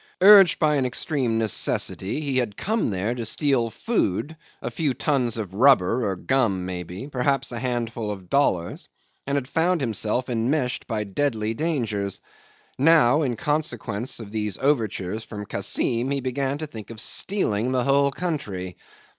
Urged by an extreme necessity, he had come there to steal food, a few tons of rubber or gum may be, perhaps a handful of dollars, and had found himself enmeshed by deadly dangers. Now in consequence of these overtures from Kassim he began to think of stealing the whole country.